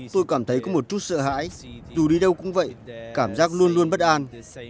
tôi cảm thấy có một chút sợ hãi dù đi đâu cũng vậy cảm giác luôn luôn bất an